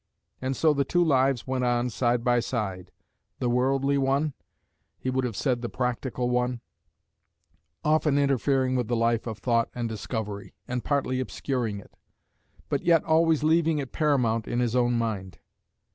And so the two lives went on side by side, the worldly one he would have said, the practical one often interfering with the life of thought and discovery, and partly obscuring it, but yet always leaving it paramount in his own mind.